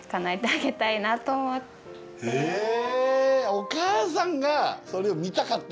お母さんがそれを見たかったんだ。